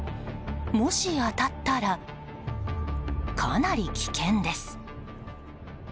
もし当たったら、かなり危険です。